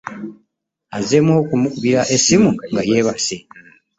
Azzem okumukubira essimu nga yebase .